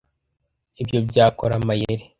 ibyo byakora amayeri